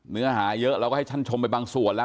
เนื้อหาเยอะเราก็ให้ท่านชมไปบางส่วนแล้ว